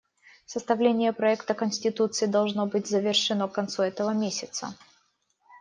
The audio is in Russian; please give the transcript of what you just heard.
Составление проекта конституции должно быть завершено к концу этого месяца.